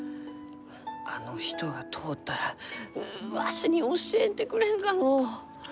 あの人が通ったらううわしに教えてくれんかのう？